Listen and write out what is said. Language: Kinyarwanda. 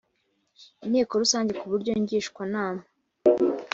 inteko rusange ku buryo ngishwanama